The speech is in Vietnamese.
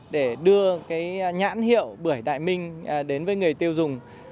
để đưa nhãn hiệu bưởi đại minh đến với người tiêu dùng